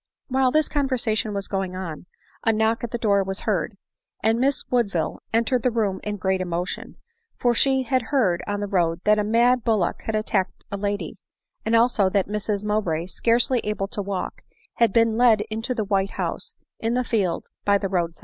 While this, conversation was going on, a knock at the door was heard, and Miss Woodville entered the room in great emotion; for she had heard, on the road, that a mad bullock had attacked a lady; and also that Mrs Mowbray, scarcely able to walk, had been led into the white house in the field by the road side.